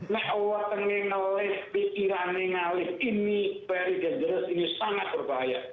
nek uat nengengalih pikiranengalih ini very dangerous ini sangat berbahaya